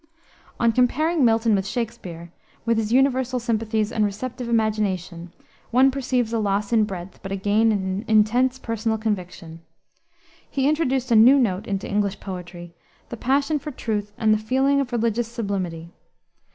On comparing Milton with Shakspere, with his universal sympathies and receptive imagination, one perceives a loss in breadth, but a gain in intense personal conviction. He introduced a new note into English poetry, the passion for truth and the feeling of religious sublimity.